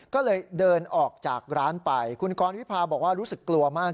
ก็เลยเดินออกจากร้านไปคุณกรวิพาบอกว่ารู้สึกกลัวมาก